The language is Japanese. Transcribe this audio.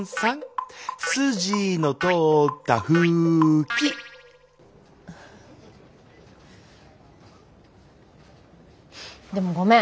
すじのとおったふーきでもごめん。